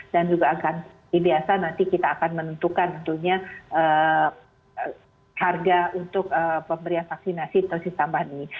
dan juga akan biasa nanti kita akan menentukan tentunya harga untuk pemberian vaksinasi dosis tambahan ini